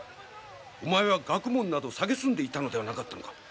お前は学問など蔑んでいたのではなかったのか？